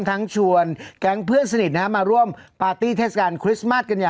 อ่าอ่าอ่าอ่าอ่า